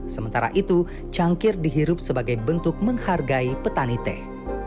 sementara itu cangkir dihirup sebagai bentuk menghargai petani teh